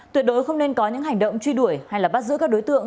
tuyệt đối không nên có những hành động truy đuổi hay bắt giữ các đối tượng